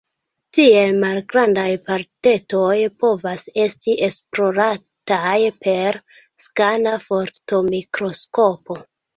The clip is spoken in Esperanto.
Tiel malgrandaj partetoj povas esti esplorataj per skana fortomikroskopo.